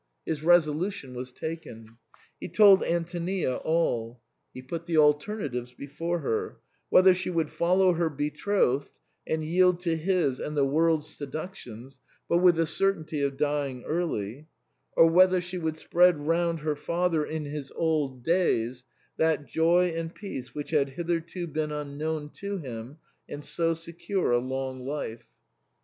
His resolution was taken. He told Antonia all ; he put the alternatives before her — whether she would follow her betrothed and yield to his and the world's seductions, but with the certainty of dying early, or whether she would spread round her father in his old days that joy and peace which had hitherto been un known to him^ and so secure a long life.